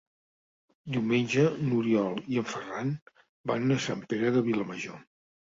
Diumenge n'Oriol i en Ferran van a Sant Pere de Vilamajor.